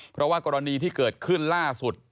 เพราะว่ากรณีที่เกิดขึ้นล่าสุด